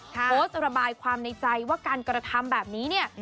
โพสต์ระบายความในใจว่าการกระทำแบบนี้เนี่ย